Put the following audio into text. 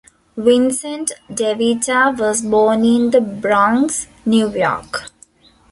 Vincent DeVita was born in The Bronx, New York.